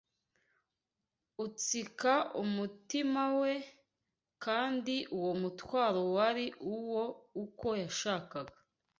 utsika umutima we, kandi uwo mutwaro wari uwo uko yashakaga